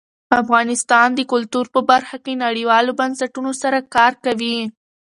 افغانستان د کلتور په برخه کې نړیوالو بنسټونو سره کار کوي.